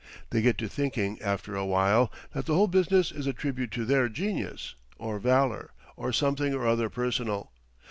They get to thinking after a while that the whole business is a tribute to their genius, or valor, or something or other personal.